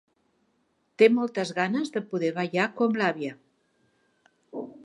Té moltes ganes de poder ballar com l'àvia!